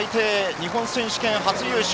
日本選手権初優勝。